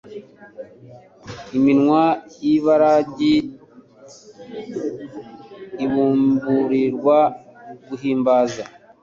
Iminwa y'ibiragi ibumburirwa guhimbaza;